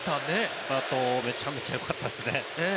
スタートめちゃくちゃよかったですね。